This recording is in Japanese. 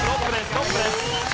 トップです。